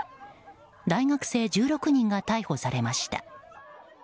大学生１６人が逮捕されました。